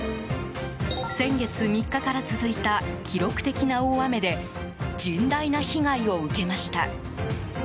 先月３日から続いた記録的な大雨で甚大な被害を受けました。